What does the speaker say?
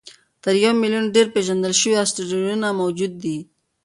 تر یو میلیون ډېر پېژندل شوي اسټروېډونه موجود دي.